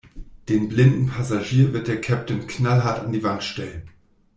Den blinden Passagier wird der Kapitän knallhart an die Wand stellen.